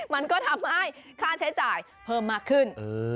มันก็ทำให้ค่าใช้จ่ายเพิ่มมากขึ้น